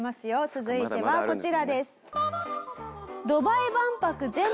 続いてはこちらです。